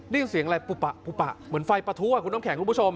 ได้ยินเสียงอะไรปุปะปุปะเหมือนไฟปะทุอ่ะคุณน้ำแข็งคุณผู้ชม